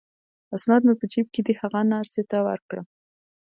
اسناد مې په جیب کې دي، هغه نرسې ته ورکړه.